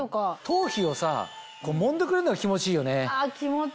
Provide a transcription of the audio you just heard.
頭皮をさもんでくれるのが気持ちいいよね。